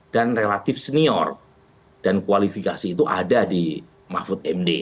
dan relatif senior dan kualifikasi itu ada di mahfud md